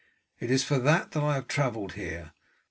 It is for that that I have travelled here.